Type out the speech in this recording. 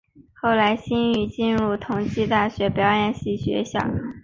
后来馨子进入同济大学表演系学习。